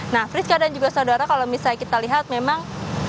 nah friska dan juga saudara kalau misalnya kita lihat memang